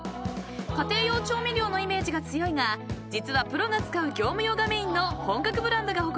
［家庭用調味料のイメージが強いが実はプロが使う業務用がメインの本格ブランドが誇る